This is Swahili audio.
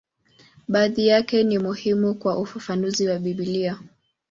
Baadhi yake ni muhimu kwa ufafanuzi wa Biblia.